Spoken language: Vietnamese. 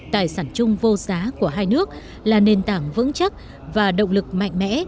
tài sản chung vô giá của hai nước là nền tảng vững chắc và động lực mạnh mẽ